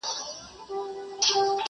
o خبره د خبري څخه زېږي!